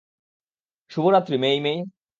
শুভরাত্রি, মেই-মেই।